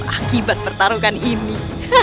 akibat pertarungan ini